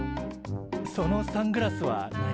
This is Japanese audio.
そのサングラスは何？